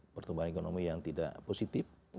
pertumbuhan ekonomi yang tidak positif